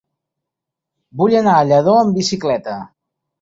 Vull anar a Lladó amb bicicleta.